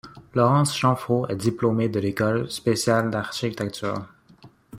Laurence Chanfro est diplômée de l’École spéciale d'architecture.